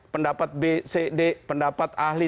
pendapat bcd pendapat ahli